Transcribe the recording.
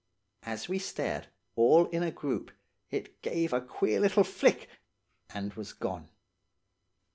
As we stared, all in a group, it gave a queer little flick, and was gone.